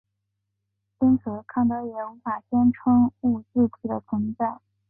因此康德也无法宣称物自体的存在。